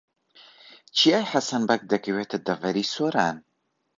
چیای حەسەن بەگ دەکەوێتە دەڤەری سۆران.